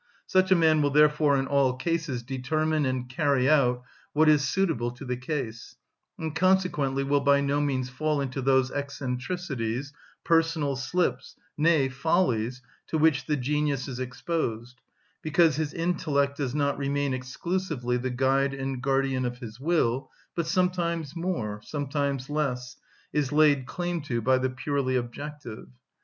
Such a man will therefore in all cases determine and carry out what is suitable to the case, and consequently will by no means fall into those eccentricities, personal slips, nay, follies, to which the genius is exposed, because his intellect does not remain exclusively the guide and guardian of his will, but sometimes more, sometimes less, is laid claim to by the purely objective.